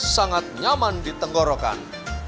sangat nyaman di tenggorokan